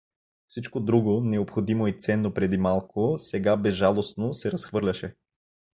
Всичко друго, необходимо и ценно преди малко, сега безжалостно се разхвърляше.